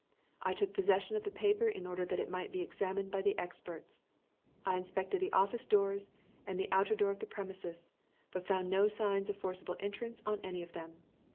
I took possession of the paper in order that it might be examined by the experts. I inspected the office doors and the outer door of the premises, but found no signs of forcible entrance on any of them.